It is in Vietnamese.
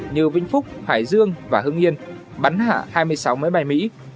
như vĩnh phúc hải dương và hưng yên bắn hạ hai mươi sáu máy bay mỹ